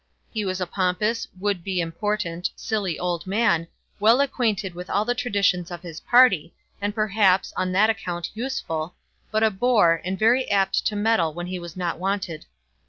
He was a pompous, would be important, silly old man, well acquainted with all the traditions of his party, and perhaps, on that account, useful, but a bore, and very apt to meddle when he was not wanted.